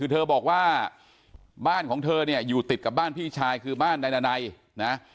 เธอบอกว่าบ้านของเธอเนี่ยอยู่ติดกับบ้านพี่ชายคือบ้านนายนาไนนะ